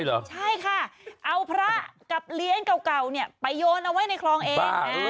เหรอใช่ค่ะเอาพระกับเลี้ยงเก่าเนี่ยไปโยนเอาไว้ในคลองเอง